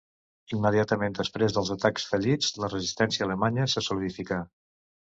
Immediatament després dels atacs fallits, la resistència alemanya se solidificà.